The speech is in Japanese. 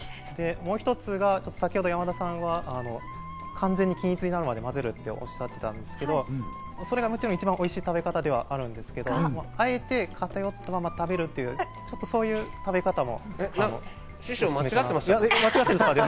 もう一つが先程、山田さんが完全に均一になるまで、まぜるとおっしゃってたんですけど、それがもちろん、一番おいしい食べ方ではあるんですけど、あえて偏ったまま食べるという食べ方も。